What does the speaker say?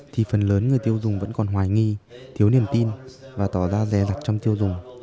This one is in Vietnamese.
thì phần lớn người tiêu dùng vẫn còn hoài nghi thiếu niềm tin và tỏ ra rè rặt trong tiêu dùng